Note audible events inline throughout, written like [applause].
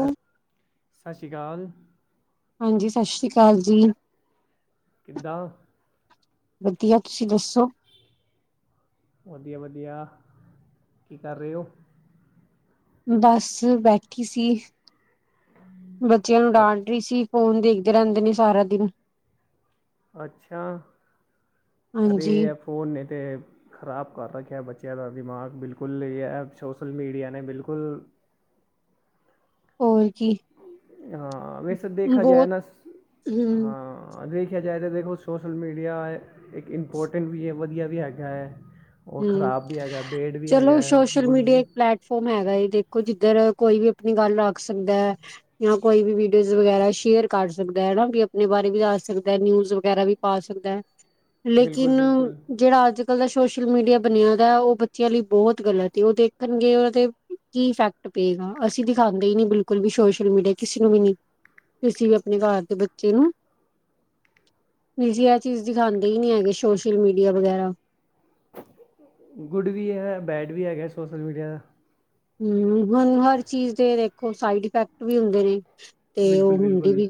Hello ਸਤਿ ਸ਼੍ਰੀ ਅਕਾਲ। ਹਾਂਜੀ ਸਤਿ ਸ੍ਰੀ ਅਕਾਲ ਜੀ। ਕਿੱਦਾਂ? ਵਧੀਆ। ਤੁਸੀਂ ਦੱਸੋ? ਵਧੀਆ ਵਧੀਆ ਕੀ ਕਰ ਰਹੇ ਹੋ? ਬਸ ਬੈਠੀ ਸੀ ਬੱਚਿਆਂ ਨੂੰ ਅ ਡਾਂਟ ਰਿਸੀ ਫ਼ੋਨ ਦੇਖਦੇ ਰਹਿੰਦੇ ਨੇ ਸਾਰਾ ਦਿਨ। ਅੱਛਾ, ਅਰੇ ਹਾਂਜੀ ਇਹ ਫੋਨ ਨੇ ਤੇ ਖ਼ਰਾਬ ਕਰ ਰੱਖਿਆ ਬੱਚਿਆਂ ਦਾ ਦਿਮਾਗ ਬਿਲਕੁਲ ਇਹ ਐ ਸੋਸ਼ਲ ਮੀਡੀਆ ਨੇ ਬਿਲਕੁਲ ਹੋਰ ਕੀ [inaudible] ਹਾਂ ਵੈਸੇ ਦੇਖਾ ਜਾਏ ਬਹੁਤ ਨਾ ਸ, ਹਮ ਹਾਂ ਦੇਖ ਦੇਖਿਆ ਜਾਏ ਦੇਖੋ ਸੋਸ਼ਲ ਮੀਡੀਆ ਇੱਕ ਇੰਪੋਰਟੈਂਟ ਵੀ ਹੈ ਵਧੀਆ ਵੀ ਹੈਗਾ ਹੈ। ਔਰ ਹਮ ਖ਼ਰਾਬ ਵੀ ਹੈਗਾ ਬੇਡ ਵੀ ਹੈਗਾ ਹੈ ਗੁੱਡ ਵੀ ਫੋਮ ਹੈਗਾ ਦੇਖੋ ਜਿੱਧਰ ਕੋਈ ਵੀ ਆਪਣੀ ਗੱਲ ਆਖ ਸਕਦਾ ਹੈ। ਜਾਂ ਕੋਈ ਵੀਡੀਓਜ਼ ਵਗੈਰਾ ਸ਼ੇਅਰ ਕਰ ਸਕਦਾ ਹਨਾ ਕਿ ਆਪਣੇ ਬਾਰੇ ਵੀ ਦੱਸ ਸਕਦਾ ਨਿਊਜ ਵਗੈਰਾ ਵੀ ਪਾ ਸਕਦਾ ਹੈ ਬਿਲਕੁਲ ਲੇਕਿਨ ਬਿਲਕੁਲ ਜਿਹੜਾ ਅੱਜ ਕੱਲ ਦਾ ਸੋਸ਼ਲ ਸੋਸ਼ਲ ਮੀਡੀਆ ਬਣਿਆਦਾ ਉਹ ਬੱਚਿਆਂ ਲਈ ਬਹੁਤ ਗਲਤ ਉਹ ਦੇਖਣਗੇ ਉਹ ਤੇ ਕੀ ਇਫੈਕਟ ਪਏਗਾ ਅਸੀਂ ਦਿਖਾਉਂਦੇ ਹੀ ਨੀ ਬਿਲਕੁਲ ਵੀ ਸੋਸ਼ਲ ਮੀਡੀਆ ਕਿਸੇ ਨੂੰ ਵੀ ਨੀ ਤੁਸੀ ਵੀ ਆਪਣੇ ਘਰ ਦੇ ਬੱਚੇ ਨੂੰ ਤੁਸੀ ਇਹ ਚੀਜ਼ ਦਿਖਾਉਂਦੇ ਹੀ ਨੀ ਹੈਗੇ ਸੋਸ਼ਲ ਮੀਡੀਆ ਵਗੈਰਾ। ਗੁੱਡ ਵੀ ਹੈ ਬੈਡ ਵੀ ਹੈਗਾ ਸੋਸ਼ਲ ਮੀਡੀਆ। ਹਮ ਹੁਣ ਹਰ ਚੀਜ਼ ਦੇ ਵੇਖੋ ਸਾਈਡ ਇਫੈਕਟ ਵੀ ਹੁੰਦੇ ਨੇ। ਤੇ ਉਹ ਬਿਲਕੁਲ ਹੁੰਦੀ ਬਿਲਕੁਲ ਵੀ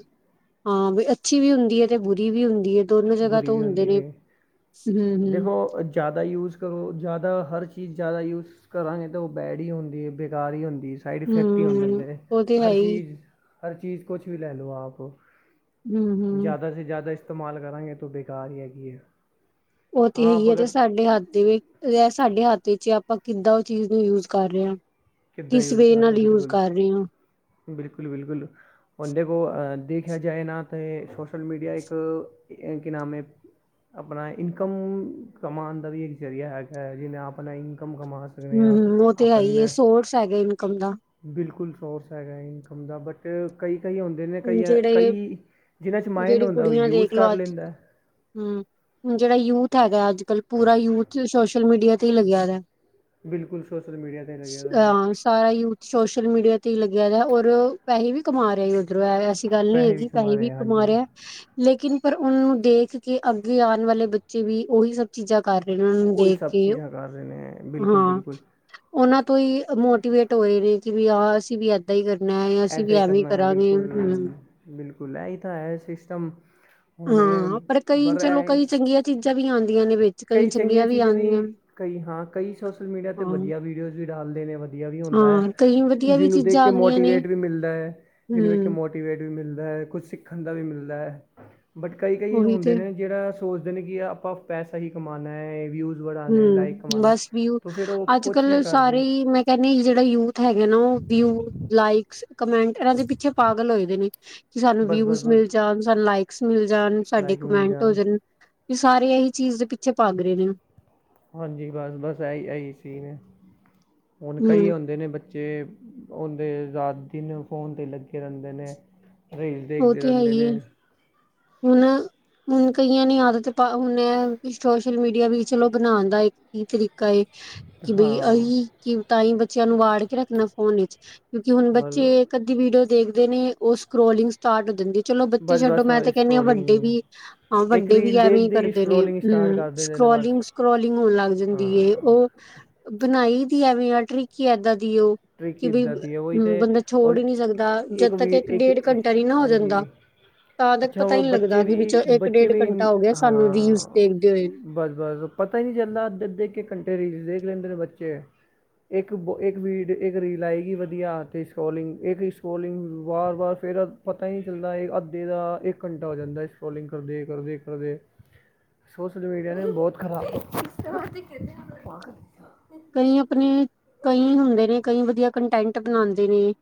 ਹਾਂ ਵੀ ਅੱਛੀ ਵੀ ਹੁੰਦੀ ਹੈ ਤੇ ਬੁਰੀ ਵੀ ਹੁੰਦੀ ਹੈ। ਦੋਨੋ ਜਗ੍ਹਾ ਬੁਰੀ ਤੋਂ ਵੀ ਹੁੰਦੇ ਹੁੰਦੀ ਨੇ ਹੈ ਹਮ ਹਮ ਦੇਖੋ ਜ਼ਿਆਦਾ ਯੂਜ਼ ਕਰੋ ਜ਼ਿਆਦਾ ਹਰ ਚੀਜ਼ ਜ਼ਿਆਦਾ ਯੂਜ਼। ਯੂਜ ਕਰਾਂਗੇ ਤਾਂ ਉਹ ਬੈਡ ਹੀ ਹੁੰਦੀ ਬੇਕਾਰ ਹੀ ਹੁੰਦੀ। ਸਾਈਡ ਇਫੈਕਟ ਹੀ ਹੁੰਦੇ ਹਮ ਹੁੰਦੇ ਉਹ ਤੇ ਹੈ ਹਰ ਹੀ ਚੀਜ਼ ਹਰ ਚੀਜ਼ ਕੁਛ ਵੀ ਲੈ ਲਓ ਆਪ ਹਮ ਹਮ ਜ਼ਿਆਦਾ ਸੇ ਜ਼ਿਆਦਾ ਇਸਤੇਮਾਲ ਕਰਾਂਗੇ ਤੋ ਬੇਕਾਰ ਹੀ ਹੈਗੀ ਏ। ਉਹ ਤੇ ਹੈ ਈ ਏ ਤੇ ਸਾਡੇ ਹੱਥ ਦੀ ਵੀ ਐ ਸਾਡੇ ਹੱਥ 'ਚ ਆਪਾਂ ਕਿੱਦਾਂ ਉਹ ਚੀਜ਼ ਨੂੰ ਯੂਜ ਕਰ ਰਹੇ ਹਾਂ। ਕਿੱਦਾਂ ਕਿਸ ਯੂਜ਼ ਵੇਹ ਕਰਨਾ ਨਾਲ ਯੂਜ਼ ਬਿਲਕੁਲ ਕਰ ਰਹੇ ਹਾਂ। ਬਿਲਕੁਲ, ਬਿਲਕੁਲ। ਹੁਣ ਦੇਖੋ ਦੇਖਿਆ ਜਾਏ ਨਾ ਤੇ, ਸੋਸ਼ਲ ਮੀਡੀਆ ਇੱਕ ਕੀ ਨਾਮ ਹੈ। ਆਪਣਾ ਇਨਕਮ ਕਮਾਉਣ ਦਾ ਵੀ, ਇੱਕ ਜ਼ਰੀਆ ਹੈਗਾ ਹੈ। ਜਿਨੇ ਆਪਣਾ ਇਨਕਮ ਕਮਾ ਸਕਾਂ? ਹੁਂ ਹੁਂ ਉਹ ਤੇ ਹੈ ਹੀ ਹੈ। ਸੋਰਸ ਹੈਗਾ ਇਨਕਮ ਦਾ। ਬਿਲਕੁਲ ਸੋਰਸ ਹੈਗਾ ਇਨਕਮ ਦਾ, ਬਟ ਕਈ ਕਈ ਹੁੰ ਹੁਣ ਕਈ, ਜਿਹੜੇ ਕਈ ਜਿਹਨਾਂ 'ਚ ਮਾਇੰਡ ਹੁੰਦਾ ਉਹ ਯੂਜ ਕਰ ਲੈਂਦਾ। ਹੁਂ, ਹੁਣ ਜਿਹੜਾ ਯੂਥ ਹੈਗਾ ਅੱਜ ਕਲ, ਪੂਰਾ ਯੂਥ ਸੋਸ਼ਲ ਮੀਡੀਆ ਤੇ ਹੀ ਲੱਗਿਆ ਦਾ। ਬਿਲਕੁਲ, ਸੋਸ਼ਲ ਮੀਡੀਆ 'ਤੇ ਹੀ ਲੱਗਿਆ ਹੋਇ ਹੈ। ਅ ਸਾਰਾ ਯੂਥ ਸੋਸ਼ਲ ਮੀਡੀਆ ਤੇ ਹੀ ਲੱਗਿਆਦਾ, ਹੋਰ ਪੈਸੇ ਵੀ ਕਮਾ ਰਿਹਾ। ਐਸੀ ਗੱਲ ਨੀ ਪੈਸੇ ਹੈਗੀ, ਕਮਾ ਪੇਸੇ ਰਹੇ ਵੀ ਆ, ਹਾਂਜੀ ਕਮਾਰਿਆ। ਲੇਕਿਨ ਪਰ ਉਹਨੂੰ ਦੇਖ ਕੇ, ਅੱਗੇ ਆਉਣ ਵਾਲੇ ਬੱਚੇ ਵੀ ਉਹੀ ਸਭ ਚੀਜ਼ਾਂ ਕਰ ਰਹੇ ਨੇ, ਉਹਨਾਂ ਨੂੰ ਦੇਖ ਕੇ ਉਹ ਕਰਰੇ ਨੇ। ਬਿਲਕੁਲ ਬਿਲਕੁਲ ਹਾਂ, ਉਹਨਾਂ ਤੋਂ ਹੀ ਮੋਟੀਵੇਟ ਹੋਏ ਨੇ, 'ਕਿ ਵੀ ਆਹ ਅਸੀਂ ਵੀ ਇੱਦਾਂ ਹੀ ਕਰਨਾ ਹੈ, ਅਸੀਂ ਵੀ ਇੱਦਾਂ ਐਵੇਂ ਹੀ ਕਰਨਾ ਹੈ ਕਰਾਂਗੇ, ਬਿਲਕੁਲ ਹੁਂ। ਬਿਲਕੁਲ, ਇਹੀ ਤਾਂ ਹੈ ਸਿਸਟਮ। ਹੁਣ ਹਾਂ ਕਈ ਪਰ ਚਲੋ ਇਹ, ਕਈ ਚੰਗੀਆਂ ਚੀਜ਼ਾਂ ਵੀ ਆਉਂਦੀਆਂ ਨੇ ਵਿੱਚ 'ਕਈ ਚੰਗੀਆਂ ਚੀਜ਼ਾਂ ਆਉਂਦੀਆਂ ਵੀ ਕਈ ਹਾਂ, ਕਈ ਸੋਸ਼ਲ ਮੀਡੀਆ ਤੇ ਹਾਂ 'ਵਧੀਆ ਵੀਡੀਓਜ਼ ਵੀ ਡਾਲਦੇ ਨੇ ਏਵੀ ਹੁੰਦਾ ਹੈ, ਹਾਂ ਕਈ ਵਧੀਆ ਵੀ ਜਿਹਨੂੰ ਦੇਖ ਚੀਜ਼ਾਂ ਕੇ ਮੋਟ ਆਉਂਦੀਆਂ ਨੇ ਡੀਮੋਟੀਵੇਟ ਵੀ ਮਿਲਦਾ ਹੈ, ਜਿਹਨੂੰ ਵਿੱਚ ਹਮ ਮੋਟੀਵੇਟ ਵੀ ਮਿਲਦਾ ਹੈ, ਕੁਛ ਸਿੱਖਣ ਦਾ ਵੀ ਮਿਲਦਾ ਹੈ। ਬਟ ਕਈ, ਕਈ ਉਹੀ ਹੁੰਦੇ ਤੇ ਨੇ 'ਜਿਹੜਾ ਸੋਚਦੇ ਨੇ ਕਿ ਆਪਾਂ ਪੈਸਾ ਹੀ ਕਮਾਉਣਾ ਹੈ। ਵਿਊਜ਼ ਵਧਾਉਣੇ ਲਾਈਕ ਹੁਂ ਕਮਾਉਣੇ ਬਸ ਵਿਊ, ਤੋ ਫਿਰ ਉਹ ਅੱਜ ਕੁਛ ਵੀ ਕੱਲ ਸਾਰੇ ਕਰਦੇ ਮੈਂ ਕਹਿੰਦੇ ਜਿਹੜਾ ਯੂਥ ਹੈਗਾ ਨਾ ਉਹ ਵਿਊ, ਲਾਈਕਸ, ਕਮੈਂਟ ਇਹਨਾਂ ਦੇ ਪਿੱਛੇ ਪਾਗਲ ਹੋਏਦੇ ਨੇ। ਕਿ ਸਾਨੂੰ ਬਸ ਵਿਊ ਬਸ ਬਸ ਮਿਲ ਜਾਣ, ਸਾਨੂੰ ਲਾਈਕਸ ਮਿਲ ਜਾਣ, ਸਾਡੇ ਲਾਈਕ ਮਿਲ ਕਮੈਂਟ ਹੋ ਜਾਣ। ਇਹ ਸਾਰੇ ਇਹੀ ਚੀਜ਼ ਦੇ ਪਿੱਛੇ ਭਗ ਰਹੇ ਨੇ। ਹਾਂਜੀ ਬਸ, ਬਸ ਇਹੀ, ਇਹੀ ਸੀਣਂ ਹੈ। ਹੁਣ ਹਮ ਕਈ ਹੁੰਦੇ ਨੇ ਬ ਬੱਚੇ ਉਹਦੇ ਰਾਤ, ਦਿਣੇਂ ਫੋਨ 'ਤੇ ਲੱਗੇ ਰਹਿੰਦੇ ਨੇ। ਰੀਲਸ ਦੇਖਦੇ ਰਹਿੰਦੇ ਨੇ। ਹੁੰਨ ਹੁਣ ਕਈਆਂ ਨੇ ਆਦਤ ਪਾ, 'ਹੁਣ ਇਹ ਸੋਸ਼ਲ ਮੀਡੀਆ ਵੀ ਚਲੋ 'ਬਣਾਉਣਂ ਦਾ ਕੀ ਤਰੀਕਾ ਹੈ। ਕਿ ਬਈ ਹਾਂ ਅਸੀ ਕਿ 'ਤਾਂਹੀ ਬੱਚਿਆਂ ਨੂੰ ਵਾੜ ਕੇ ਰੱਖਣਾ ਫੋਨ ਵਿੱਚ ਕਿਉਂਕਿ ਹੁਣ ਬਸ ਬੱਚੇ ਇੱਕ, ਅੱਧੀ ਵੀਡੀਓ ਦੇਖਦੇ ਨੇ 'ਉਹ ਸਕਰੋਲਿੰਗ ਸ਼ਟਾਟ ਹੋ ਜਾਂਦੀ ਹੈ, ਚਲੋ ਬੱਚੇ ਬਸ ਛੱਡੋ ਬਸ ਮੈਂ ਤੇ ਨਹੀਂ ਵੱਡੇ ਸਕਰੋਲਿੰਗ ਵੀ, ਹਾਂ ਇੱਕ ਵੱਡੇ ਵੀ ਰੀਲ 'ਐਵੇਂ ਦੇਖਦੇ ਹੀ ਕਰਦੇ ਨੇ, ਸਕਰੋਲਿੰਗ ਸਟਾਰਟ ਹੁਂ ਕਰ ਦਿੰਦੇ ਨੇ ਬਸ ਸਕੋਲਿੰਗ ਸਕੋਲਿੰਗ ਹੋਣ ਲੱਗ ਜਾਂਦੀ ਹੈ, ' ਹਾਂ ਉਹ ਬਣਾਈ ਦੀ ਐਵੇ ਆ ਟ੍ਰਿਕ ਹੀ ਏਦਾਂ ਦੀ ਉਹ। ਟ੍ਰਿਕ ਕਿ ਬਈ ਇੱਦਾਂ ਦੀ ਹੈ ਉਹੀ ਤਾਂ ਬੰਦਾ ਛੋੜ ਹੁਣ ਹੀ ਨਹੀਂ ਸਕਦਾ, ਜਦ ਤੱਕ ਇੱਕ, ਡੇਢ ਘੰਟਾ ਨਹੀਂ ਨਾ ਹੋ ਜਾਂਦਾ। ਤਾਦਂ ਤਾਂ ਹੋਰ ਬੱਚੇ ਵੀ, ਬੱਚੇ ਵੀ ਗਿਆ ਸਾਨੂੰ ਰੀਲਸ ਹਾਂ ਦੇਖਦੇ ਹੋਏ ਬਸ, ਬਸ ਪਤਾ ਹੀ ਨਹੀਂ ਚੱਲਦਾ 'ਅੱਧੇ, ਅੱਧੇ ਇੱਕ, ਇੱਕ ਘੰਟੇ ਰੀਲ ਦੇਖ ਲੈਂਦੇ ਨੇ ਬੱਚੇ, ਇੱਕ -ਇੱਕ ਇੱਕ ਰੀਲ ਆਏਗੀ ਵਧੀਆਂ 'ਤੇ ਸਕੋਲਿੰਗ, ਇੱਕ ਸਕੋਲਿੰਗ ਵਾਰ, ਵਾਰ ਫੇਿਰ ਪਤਾ ਹੀ ਨਹੀਂ ਚੱਲਦਾ, ਅੱਧੇ ਦਾ ਇੱਕ ਘੰਟਾ ਹੋ ਜਾਂਦਾ ਹੈ। ਸਕਰੋਲਿੰਗ ਕਰਦੇ, ਕਰਦੇ, ਕਰਦੇ ਸੋਸ਼ਲ ਮੀਡੀਆ ਨੇ ਬਹੁਤ ਖਰਾਬ ਕਈ ਆਪਣੇ, ਕਈ ਹੁੰਦੇ ਨੇ ਕਈ 'ਵਧੀਆ ਕੰਟੈਂਟ ਬਣਾਉਂਦੇ ਨੇ,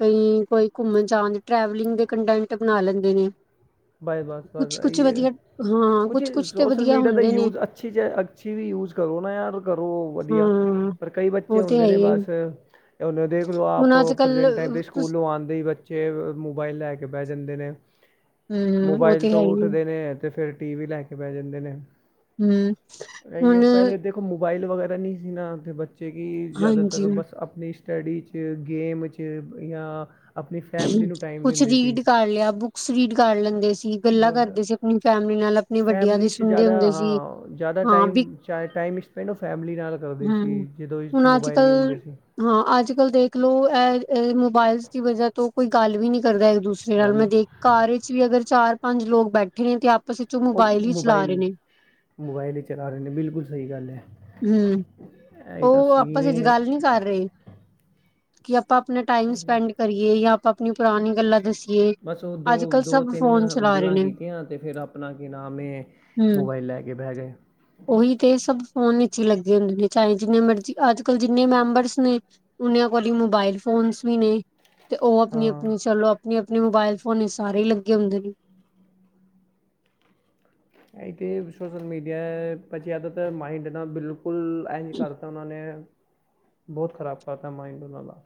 ਕਈ ਕੋਈ ਘੁੰਮਣਂ ਜਾਣ, 'ਟਰੈਵਲਿੰਗ ਦੇ ਕੰਟੈਂਟ ਬਣਾ ਲੈਂਦੇ ਨੇ। ਬਾਏ ਬਸ, ਬਸ ਕੁਛ ਕੁਛ ਵਧੀਆ ਹਾਂ ਕੁਝ ਕੁਛ ਕੁਛ ਤੇ ਸੋਸ਼ਲ ਵਧੀਆ ਮੀਡੀਆ ਦਾ ਹੁੰਦੇ ਨੇ ਯੂਜ ਅੱਛੀ ਜਾਈ, ਅੱਛੀ ਵੀ ਯੂਜ ਕਰੋ ਨਾ ਯਾਰ ਕਰੋ ਹਾਂ ਵਧੀਆ ਪਰ ਕਈ 'ਬੱਚੇ ਉਹ ਤੇ ਹੁੰਦੇ ਹੈ ਨੇ ਹੀ ਹੈ। ਬਸ ਹੁਣਂ ਦੇਖ ਲਓ ਆਪ, ਹੁਣ ਅੱਜ ਕੱਲ ਪ੍ਰਜੈਂਟ ਟਾਈਮ 'ਤੇ ਸਕੂਲੋਂ ਆਉਂਦੇ ਹੀ ਬੱਚੇ ਫਿਰ ਮੋਬਾਇਲ ਲੈ ਕੇ ਬਹਿ ਜਾਂਦੇ ਨੇ, ਹਮ ਉਹ ਮੋਬਾਈਲ ਤੇ ਹੈ ਤੋਂ ਹੀ ਹੈ। ਉੱਠਦੇ ਨੇ ਤੇ ਫਿਰ 'ਟੀ ਵੀ ਲੈ ਕੇ ਬੈਠ ਜਾਂਦੇ ਨੇ, ਹਮ ਇਹੀਓ ਹੁਣ ਪਹਿਲੇ ਦੇ ਮੋਬਾਈਲ ਵਗੈਰਾ ਨਈ ਸੀ ਨਾ ਬੱਚੇ ਕਿ ਹਾਂਜੀ ਜ਼ਿਆਦਾਤਰ ਬਸ ਆਪਨੀਸ਼ ਸਟੱਡੀ 'ਚ ਗੇਮ 'ਚ ਯਾਂ ਕੁਛ ਰੀਡ ਕਰ ਲਿਆ ਬੁੱਕਸ ਰੀਡ ਕਰ ਲੈਂਦੇ ਸੀ। ਗੱਲਾਂ ਬੋਲੋ ਕਰਦੇ ਸੀ ਆਪਣੀ ਫੈਮਿਲੀ ਨਾਲ ਆਪਣੇ ਵੱਡਿਆਂ ਫੈਮਲੀ ਦੀ 'ਚ ਸੁਣਦੇ ਜ਼ਿਆਦਾ ਹੁੰਦੇ ਸੀ ਹਾਂ ਜ਼ਿਆਦਾ ਹਾਂ ਵੀ ਟਾਈਮ ਸ਼ਾਇਦ ਟਾਈਮੀਸ਼ ਪੈਲੋ ਫੈਮਿਲੀ ਨਾਲ ਕਰਦੇ ਸੀ ਹੂੰ, ਜਦੋਂ ਹੁਣ ਮੋਬਾਇਲ ਨੀ ਅੱਜ-ਕੱਲ ਹੁੰਦੇ ਸੀ। ਹਾਂ, ਅੱਜ ਕੱਲ੍ਹ ਦੇਖਲੋ ਐ ਅ ਮੋਬਾਇਲਸ ਦੀ ਵਜ੍ਹਾ ਤੋਂ ਕੋਈ ਗੱਲ ਵੀ ਨੀ ਕਰਦਾ ਇੱਕ ਦੂਸ ਨਾਲ ਗੱਲ ਮੈਂ ਦੇਖ ਨਹੀਂ ਘਾਰ 'ਚ ਵੀ ਅਗਰ ਚਾਰ-ਪੰਜ ਲੋਕ ਬੈਠੇ ਨੇ ਤੇ ਆਪਸ 'ਚ ਔ ਉਹ ਮੋਬਾਇਲ ਹੀ ਚਲਾ ਮੋਬਾਈਲ ਰੇਨੇ। ਮੋਬਾਈਲ ਹੀ ਚਲਾ ਰੇ ਨੇ ਬਿਲਕੁਲ ਸਹੀ ਗੱਲ ਐ। ਹਮ ਔ ਆਪਸ 'ਚ ਸੀਗੇ ਗੱਲ ਨੀ ਕਰ ਰੇ। ਕਿ ਆਪਾਂ ਆਪਨਾ ਟਾਈਮ ਸਪੈਂਡ ਕਰੀਏ ਯਾਂ ਆਪਾਂ ਆਪਨੀ ਪੁਰਾਨੀ ਗੱਲਾਂ ਦਸੀ ਬਸ ਔ ਦੋ-ਦੋ-ਤਿੰਨ ਚਲਾ ਰਹੇ ਗੱਲਾਂ ਨੇ, ਕੀਤੀਆਂ ਤੇ ਫਿਰ ਆਪਨਾ ਕੀ ਨਾਮ ਏ ਹੂੰ। ਮੋਬਾਈਲ ਲੈਕੇ ਬੇ ਗਏ। ਉਹੀ ਤੇ ਸਭ ਫੋਨ ਵਿਚ ਹੀ ਲੱਗੇ ਹੁੰਦੇ ਨੇ ਚਾਹੇ ਜਿੰਨੇ ਮਰਜੀ ਅੱਜ ਕੱਲ ਜਿੰਨੇ ਮੈਂਬਰਸ ਨੇ ਉਨਯਾਂ ਕੋਲ ਈ ਮੋਬਾਇਲ ਫੋਨਸ ਵੀ ਨੇ। ਤੇ ਔ ਹਾਂ ਆਪਨੀ-ਆਪਨੀ ਚਲੋ ਆਪਨੀ-ਆਪਨੀ ਮੋਬਾਇਲ ਫੋਨ ਸਾਰੇ ਈ ਲੱਗੇ ਹੁੰਦੇ ਨੇ। ਆ ਤੇ ਸੋਸ਼ਅਲ ਮੀਡੀਆ ਏ ਬਚਿਆ ਦਾ ਤਾਂ ਮਾਈਂਡ ਨਾ ਬਿਲੁਕਲ ਕੁੁਲ ਏਂਜ ਕਰਤਾ ਉਨਾਂ ਨੇ ਬੋਤ ਖ਼ਰਾਬ ਕਰਤਾ ਮਾਈਂਡ ਉਨਾਂ ਦਾ।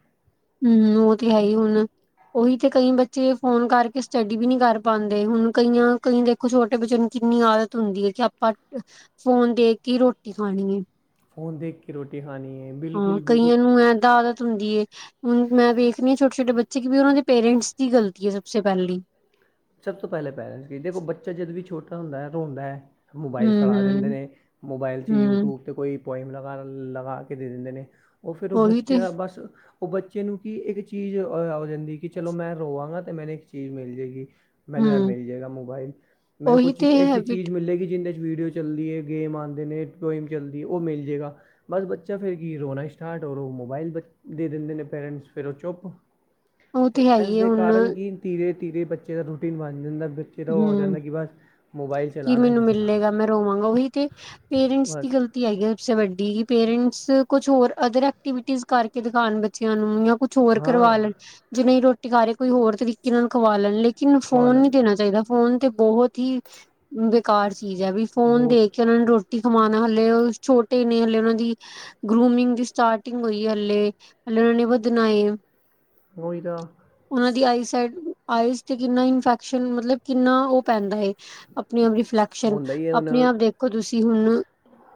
ਹਮ ਔ ਤੇ ਹੈ ਹੀ ਹੁਨ। ਉਹੀ ਤੇ ਕਈ ਬੱਚ ਫੋਨ ਕਰਕੇ ਸਟੱਡੀ ਵੀ ਨਹੀਂ ਕਰ ਪਾਂਦੇ ਹੁਨ ਕਈਆਂ ਕਈ ਦੇਖੋ ਛੋਟੇ ਬੱਚਿਆਂ ਨੂੰ ਕਿੰਨੀ ਆਦਤ ਹੁੰਦੀ ਏ ਕਿ ਆਪ [unintelligible] ਫੋਨ ਦੇਖ ਕੇ ਰੋਟੀ ਖਾਣੀ ਏ। ਫ਼ੋਨ ਦੇਖ ਕੇ ਰੋਟੀ ਖਾਨੀ ਏ। ਹਮ ਕਈਆਂ ਨੂੰ ਏਦਾਂ ਆਦਤ ਹੁੰਦੀ ਏ। ਹੁਣ ਮੈਂ ਵੇਖਨੀ ਛੋਟੇ-ਛੋਟੇ ਬੱਚੇ ਕਿ ਵੀ ਉਨਾਂ ਦੇ ਪੇਰੈਂਟਸ ਦੀ ਗਲਤੀ ਏ ਸਬਸੇ ਪੇਲੀ। ਸਭ ਤੋਂ ਪਹਿਲਾਂ ਪੇਰੈਂਟਸ ਕੀ ਦੇਖੋ ਬੱਚਾ ਜਦ ਵੀ ਛੋਟਾ ਹੁੰਦਾ ਏ ਰੋਂਦਾ ਐ। ਮੋਬਾਈਲ ਹਮ ਫੜਾ ਦਿੰਦੇ ਹਮ ਨੇ ਮੋਬਾਈਲ 'ਚ ਹਮ ਯੂਟਊਬ 'ਤੇ ਕੋਈ ਪੋਇਮ ਲਗਾ-ਲਗਾ ਕੇ ਦੇ ਦੇੰਦੇਂ ਨੇ ਔ ਫੇਰ ਔ ਉਹੀ ਤੇ ਬੱਚਾ ਬਸ ਔ ਬੱਚੇ ਨੂੰ ਕੀ ਇੱਕ ਚੀਜ਼ ਔ ਜਾਂਦੀ ਏ ਕਿ ਚਲੋ, ਮੈਂ ਰੋਵਾਂਗਾ ਤੇ ਮੈਨੂੰ ਇੱਕ ਚੀਜ਼ ਮਿਲ ਜੇਗੀ। ਮੈਨੂੰ ਐ ਹੂੰ ਮਿਲ ਜੇਗਾ ਮੋਬਾਈਲ। ਮੈਨੂੰ ਉਹੀ ਕੁਛ ਤੇ ਐਸੀ ਚੀਜ਼ ਹੈਬਿਟ ਮਿਲੇਗੀ ਜਿਂਦੇ 'ਚ ਵੀਡੀਓ ਚੱਲਦੀ ਏ, ਗੇਮ ਆਂਦੇ ਨੇ, ਟੋਇਮ ਚੱਲਦੀ ਏ, ਔ ਮਿਲ ਜੇਗਾ। ਬਸ ਬੱਚਾ ਫਿਰ ਕੀ ਏ, ਰੋਣਾ ਸਟਾਰਟ ਔਰ ਔ ਮੋਬਾਈਲ ਬ ਦੇ ਦਿੰਦੇ ਨੇ ਪੇਰੈਂਟਸ ਫਿਰ ਔ ਚੁੱਪ, ਉਹ ਤੇ ਏਸ ਹੈਗੀ ਹੈ ਦੇ ਹੁਣ ਕਾਰਨ ਕਿ ਧੀਰੇ-ਧੀਰੇ ਬੱਚੇ ਦਾ ਰੂਟੀਨ ਬਨ ਜਾਂਦਾ। ਬਚ ਹਮ ਕੀ ਮੈਨੂੰ ਤੇ ਮਿਲੇਗਾ ਚਲਾਉਣਾ ਮੈਂ ਰੋਵਾਂਗਾ ਉਹੀ ਤੇ ਪੇਰੈਂਟਸ ਦੀ ਬਸ ਗਲ ਤੀ ਹੈਗੀ ਸਬਸੇ ਵੱਡੀ ਕਿ ਪੇਰੈਂਟਸ ਕੁਛ ਹੋਰ ਅਦਰ ਐਕਟੀਵਿਟੀਜ਼ ਕਰਕੇ ਦਿਖਾਣ ਬੱਚਿਆਂ ਨੂੰ ਯਾਂ ਕੁਛ ਹੋਰ ਕਰਵਾ ਹਾਂ ਲੈਨ, ਜੇ ਨਹੀਂ ਰੋਟੀ ਖਾਰੇ ਕੋਈ ਹੋਰ ਤਰੀਕੇ ਨਾਲ ਖਵਾ ਲੈਨ ਲੇਕਿਨ ਖਵਾ ਫੋਨ ਨੀ ਲੈਣ ਦੇਣਾ ਦਾ ਫੋਨ ਤੇ ਬਹੁਤ ਹੀ ਬੇਕਾਰ ਚੀਜ਼ ਐ, ਵੀ ਫੋਨ ਬਹੁਤ ਦੇਕੇ ਉਨਾਂ ਨੂੰ ਰੋ ਟੀ ਖਵਾਨਾ, ਹਲੇ ਔ ਛੋਟੇ ਨੇ ਹਲੇ ਉਨਾਂ ਦੀ ਗਰੂਮਿੰਗ ਦੀ ਸਟਾਰਟਿੰਗ ਹੋਈ ਹਲੇ। ਹਲੇ ਉਨਾਂ ਨੇ ਵਦਨਾ ਏ। ਔਈ ਤਾਂ। ਉਨਾਂ ਦੀ ਆਈਸਾਈਟ, ਆਈਜ਼ ਤੇ ਕਿੰਨਾ ਇਨਫੈਕਸ਼ਨ ਮਤਲਬ ਕਿੰਨਾ ਔ ਪੈਂਦਾ ਏ। ਆਪਨੇ ਆਪ ਰਿਫਲੈਕਸ਼ਨ ਹੁੰਦਾ ਹੀ ਹੈ ਹੁਣ ਆਪਨੇ ਆਪ ਦੇਖੋ ਤੁਸੀਂ ਹੁਨ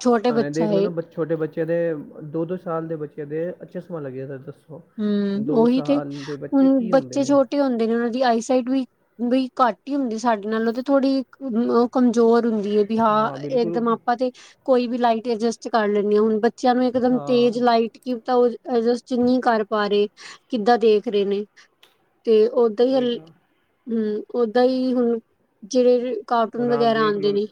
ਛੋਟੇ ਉਹਨੇ ਬੱਚਾ ਦੇਖ ਲਓ ਏ। ਨਾ ਬ ਛੋਟੇ ਬੱਚਿਆਂ ਦੇ ਦੋ-ਦੋ ਸਾਲ ਦੇ ਬੱਚਿਆਂ ਦੇ ਚਸਮਾ ਲੱਗ ਜਾਂਦਾ ਦਸ। ਹਮ ਉਹੀ ਤੇ, ਹੁਨ ਕੀ ਹੁੰਦੇ ਬੱਚੇ ਨੇ ਛੋਟੇ ਹੁੰਦੇ ਨੇ ਉਨਾਂ ਦੀ ਆਈਸਾਈਟ ਵੀ ਬਈ ਘੱਟ ਹੀ ਹੁੰਦੀ ਸਾਡੇ ਨਾਲੋਂ ਤੇ ਥੋੜੀ [unintelligible] ਕਮਜ਼ੋਰ ਹੁੰਦੀ ਹੈ ਵੀ ਹਾਂ, ਇਕਦਮ ਆਪਾਂ ਤੇ ਕੋਈ ਵੀ ਲਾਈਟ ਅਡਜਸਟ ਕਰ ਲੈਂਣੀ ਹਾਂ, ਹੁਣ ਬੱਚਿਆਂ ਨੂੰ ਇੱਕਦਮ ਤੇਜ ਹਾਂ ਲਾਈਟ ਕਿ ਤਾਂ ਉਹ ਐਡਜਸਟ ਨਹੀ ਕਰ ਪਾ ਰਹੇ, ਕਿੱਦਾਂ ਦੇਖ ਰਹੇ ਨੇ ਤੇ ਉਹ ਓਦਾਂ ਹੀ, ਉਹੀ ਹਲ ਤਾਂ ਹਮ, ਓਦਾਂ ਹੀ ਹੁਣ ਜਿਹੜੇ ਕਾਰਟੂਨ ਹੁਣ ਆਪ ਵਗੈਰਾ ਦੇਖ ਆਉਂਦੇ ਲਓ ਨੇ,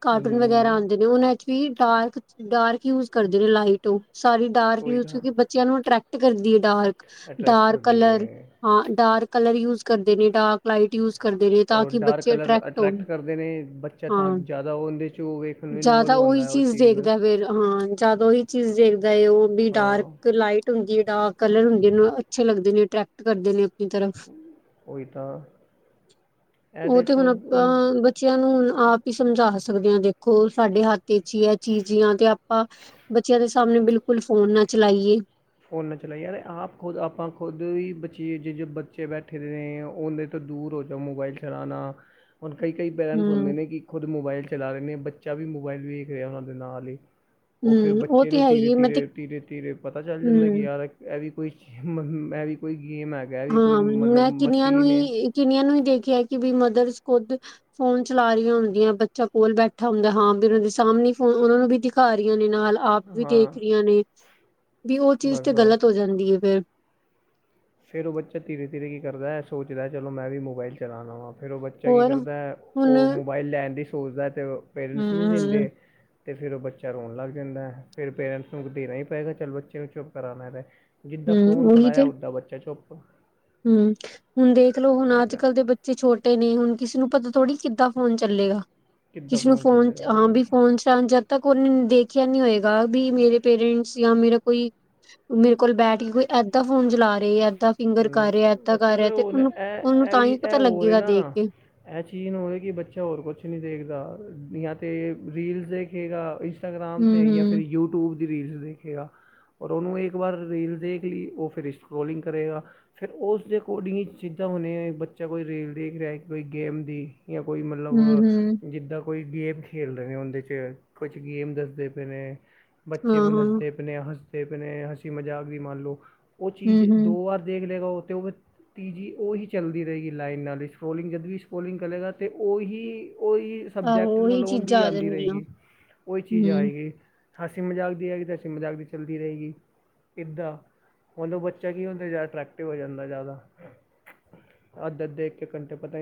ਕਾਰਟੂਨ ਵਗੈਰਾ ਹੂੰ ਆਉਂਦੇ ਨੇ ਉਹਨਾਂ ਡਾਰਕ, ਡਾਰਕ ਯੂਜ ਕਰਦੇ ਰਹੇ ਲਾਈਟ ਉਹ, ਸਾਰੀ ਡਾਰਕ ਉਹੀ ਯੂਜ ਤਾਂ ਕਿਉਂਕਿ ਬੱਚਿਆਂ ਨੂੰ ਅ੍ਰੈਕਟ ਕਰਦੀ ਹੈ ਡਾਰਕ, ਅਟਰੈਕਟ ਡਾਰਕ ਕਰਦੀ ਕਲਰ ਹੈ ਹਾਂ, ਡਾਰਕ ਕਲਰ ਯੂਜ ਕਰਦੇ ਨੇ, ਡਾਰਕ -ਲਾਈਟ ਯੂਜ ਕਰਦੇ ਨੇ ਤਾਂ ਔਰ ਕਿ ਡਾਰਕ ਬੱਚੇ ਕਲਰ ਅਟਰ੍ਰੈਕਟ ਹੋਣ ਅਟਰੈਕਟ ਕਰਦੇ ਨੇ, ਬੱਚਾ ਤਾਂ ਹਾਂ ਜ਼ਿਆਦਾ ਉਹ ਉਹਦੇ 'ਚੋਂ ਜ਼ਿਆਦਾ ਉਹੀ ਚੀਜ਼ ਦੇਖਦਾ ਫੇਰ, ਹਾਂ ਜਿਆਦਾ ਉਹੀ ਚੀਜ਼ ਦੇਖਦਾ ਏ ਉਹ, ਵੀ ਹਾਂ ਡਾਰਕ-ਲਾਈਟ ਹੁੰਦੀ ਹੈ ਡਾਰਕ ਕਲਰ ਹੁੰਦੇ ਨੇ, ਉਹ ਅੱਛੇ ਲੱਗਦੇ ਨੇ, ਅਟਰੈਕਟ ਕਰਦੇ ਨੇ ਤਰਫ, ਉਹੀ ਤਾਂ ਇਹ ਉਹ ਤਾਂ ਤੇ ਹੁਣ ਸਭ ਉਹ ਆਪਾਂ ਬੱਚਿਆਂ ਨੂੰ ਆਪ ਹੀ ਸਮਝਾ ਸਕਦੇ ਹਾਂ ਦੇਖੋ, ਸਾਡੇ ਹੱਥ ਚ' ਹੀ ਹੈ ਚੀਜ਼ ਆ ਤੇ ਆਪਾਂ ਬੱਚਿਆਂ ਦੇ ਸਾਹਮਣੇ ਬਿਲਕੁਲ ਫੋਨ ਨਾ ਚਲਾਈਏ। ਫੋਨ ਨਾ ਚਲਾ, ਅਰੇ ਆਪ ਖੁਦ ਆਪਾਂ ਖੁਦ ਵੀ ਬੱਚੀਏ ਜੇ ਜੋ ਬੱਚੇ ਬੈਠੇ ਨੇ ਉਹਦੇ ਤੋਂ ਦੂਰ ਹੋ ਜਾਓ ਮੋਬਾਇਲ ਚਲਾਉਣਾ, ਹੁਣ ਕਈ ਕਈ ਪੇਰੈਂਟਸ ਹੁੰਦੇ ਹੂੰ। ਨੇ ਕਿ ਖੁਦ ਮੋਬਾਇਲ ਚਲਾ ਰਹੇ ਨੇ, ਬੱਚਾ ਵੀ ਮੋਬਾਇਲ ਵੇਖ ਰਿਹਾ। ਉਹਨਾਂ ਦੇ ਨਾਲ ਹੀ ਉਹ ਫਿਰ ਹੂੰ, ਬੱਚੇ ਤੇ ਨੂੰ ਹੈ ਹੀ ਧੀਰੇ ਹੈ। ਮੈਂ ਤੇ ਧੀਰੇ -ਧੀਰੇ -ਧੀਰੇ ਪਤਾ ਚੱਲ ਜਾਂਦਾ ਕਿ ਹੂੰ, ਯਾਰ ਐ ਵੀ, ਕੋਈ ਐ ਵੀ ਕੋਈ ਗੇਮ ਹੈ। ਹੈਗਾ ਇਹ ਵੀ ਕੋਈ ਹਾਂ ਮਤਲਬ ਮੈਂ ਕਿੰਨੀਆਂ ਨੂੰ ਮਸ਼ੀਨ ਹੀ, ਕਿੰਨੀਆਂ ਨੂੰ ਹੀ ਦੇਖਿਆ ਕਿ ਵੀ ਮਦਰਸ ਖੁਦ ਫੋਨ ਚਲਾ ਰਹੀਆਂ ਹੁੰਦੀਆਂ ਬੱਚਾ ਕੋਲ ਬੈਠਾ ਹੁੰਦਾ ਹਾਂ, ਵੀ ਉਹ ਦੇ ਸਾਹਮਣੇ ਫੋਨ ਉਹ ਨੂੰ ਵੀ ਦਿਖਾ ਰਹੀਆਂ ਨੇ ਨਾਲ ਆਪ ਵੀ ਦੇਖ ਹਾਂ ਰਹੀਆਂ ਨੇ, ਵੀ ਉਹ ਚੀਜ਼ ਤੇ ਬਸ-ਬਸ ਗ਼ਲਤ ਹੋ ਜਾਂਦੀ ਹੈ ਫੇਰ। ਫਿਰ ਉਹ ਬੱਚਾ ਧੀਰੇ -ਧੀਰੇ ਕੀ ਕਰਦਾ ਹੈ ਸੋਚਦਾ ਹੈ, ਚਲੋ ਮੈਂ ਵੀ ਮੋਬਾਈਲ ਚਲਾ ਲ ਵਾਂ। ਫਿਰ ਉਹ ਬੱਚਾ ਕੀ ਹੋਰ ਕਰਦਾ, ਹੁਣ ਉਹ ਹੂੰ, ਮੋਬਾਈਲ ਲੈਣ ਦੀ ਸੋਚਦਾ ਅਤੇ ਪੇਰੈਂਟਸ ਨਹੀਂ ਹੂੰ। ਦਿੰਦੇ। ਤੇ ਫਿਰ ਉਹ ਬੱਚਾ ਰੋਣ ਲੱਗ ਜਾਂਦਾ ਹੈ, ਫਿਰ ਪੇਰੈਂਟਸ ਨੂੰ ਦੇਣਾ ਹੀ ਪਏਗਾ, ਚੱਲ ਬੱਚੇ ਨੂੰ ਚੁੱਪ ਕਰਾਉਣਾ ਹੈ। ਜਿੱਦਾਂ ਫੋਨ ਹੂੰ, ਫੜਾਇਆ, ਉਓਦਾਂ ਬੱਚਾ ਚੁੱਪ। ਹਮ ਹੁਣ ਦੇਖਲੋ, ਹੁਣ ਅੱਜ ਏਦਾਂ ਕੱਲ ਦੇ ਬੱਚੇ ਤੇ ਛੋਟੇ ਨੇ, ਹੁਣ ਕਿਸੇ ਨੂੰ ਪਤਾ ਥੋੜ੍ਹੀ ਕਿੱਦਾਂ ਫੋਨ ਚੱਲੇਗਾ। ਕਿੱਦਾਂ ਕਿਸੇ ਨੂੰ ਫੋਨ ਹਾਂ 'ਵੀ ਚੱਲੇਗਾ ਫੋਨ ਚ' ਤੱਕ ਉਹਨੇ ਦੇਖਿਆ ਨੀ ਹੋਏਗਾ, ਵੀ ਮੇਰੇ ਪੇਰੈਂਟਸ ਜਾਂ ਮੇਰਾ ਕੋਈ ਮੇਰੇ ਕੋਲ ਬੈਠ ਕੇ ਕੋਈ ਏਦਾਂ ਫੋਨ ਚਲਾ ਰਹੇ, ਇਏਦਾਂ ਫਿੰ ਕਰ ਰਿਹਾ, ਹੂੰ ਏਦਾਂ ਕਰ ਅੱਛਾ ਰਿਹਾ, ਤੇ ਹੁਣ ਉਹਨੂੰ ਇਹ ਉਹਨੂੰ ਇਹ ਤਾਂ ਵੀ ਹੀ ਪਤਾ ਇਹ ਹੋਰ ਹੈ ਲੱਗੇਗਾ ਨਾ ਦੇਖ ਕੇ ਇਹ ਚੀਜ਼ ਨਹੀਂ ਹੋਵੇ ਕਿ ਬੱਚਾ ਹੋਰ ਕੁਛ ਨਹੀਂ ਦੇਖਦਾ, ਜਾਂ ਤੇ ਰੀਲਸ ਦੇਖੇਗਾ ਇੰਸਟਾਗ੍ਰਮ 'ਤੇ, ਜਾਂ ਫਿਰ ਹੂੰ-ਹੂੰ, ਯੂਟਿਊਬ ਦੀ ਰੀਲਸ ਦੇਖਿਆਗਾ। ਔਰ ਉਹਨੂੰ ਇੱਕ ਵਾਰ ਰੀਲ ਦੇਖ ਲਈ, ਉਹ ਫਿਰ ਸਟਰੋਲਿੰਗ ਕਰੇਗਾ। ਫੇਰ ਉਸਦੇ ਅਕੋਡਿੰਗ ਹੀ, ਜਿਦਾਂ ਹੁੰਣ ਬੱਚਾ ਕੋਈ ਰੀਲ ਦੇਖ ਰਿਹਾ ਕੋਈ ਗੇਮ ਦੀ ਜਾਂ ਕੋਈ ਮਤਲਬ ਹੂੰ-ਹੂੰ, ਜਿੱਦਾਂ ਕੋਈ ਗੇਮ ਖੇਲਦੇ ਨੇ ਉਹਦੇ 'ਚ, ਕੁਛ ਗੇਮ ਦੱਸਦੇ ਪਏ ਨੇ ਬੱਚੇ ਹਾਂ-ਹਾਂ, ਹੱਸਦੇ ਪੇਨੇ, ਹੱਸਦੇ ਪੇਨੇਅ ਹਸੀ ਮਜ਼ਾਕ ਦੀ ਮੰਨ ਲਉ। ਉਹ ਚੀਜ਼ ਹੂੰ-ਹੂੰ, ਦੋ ਵਾਰ ਦੇਖ ਲਗਾ, ਉਹ ਤੇ ਉਹ ਤੀਜੀ ਉਹੀ ਚੱਲਦੀ ਰਹੇਗੀ ਲਾਈਨ ਨਾਲ ਹੀ, ਸਕੋਲਿੰਗ ਜਦ ਵੀ ਸਕੋਲਿੰਗ ਕਰੇਗਾ ਤਾਂ ਉਹੀ, ਉਹੀ ਸਬਜੈਕਟ ਆਹੋ ਉਹੀ ਮਤਲਬ ਹੁੰਦੀ ਚੀਜ਼ਾਂ ਆ ਆਉਂਦੀ ਜਾਣਗੀਆਂ ਰਹੇਗੀ, ਉਹੀ ਚੀਜ਼ ਹੂੰ। ਆਏਗੀ। ਹੱਸੀ -ਮਜ਼ਾਕ ਦੀ ਹੈਏਗੀ, ਤਾਂ ਹੱਸੀ ਮਜ਼ਾਕ ਦੀ ਚੱਲਦੀ ਰਹੇਗੀ। ਇੱਦਾਂ, ਹ ਲੋ ਬੱਚਾ ਕੀ ਹੁੰਦਾ ਜਾ ਅਟਰੈਕਿਟਵ ਹੋ ਜਾਂਦਾ ਜਿਆਦਾ, ਅੱਧੇ-ਅੱਧੇ ਘੰਟੇ ਪਤਾ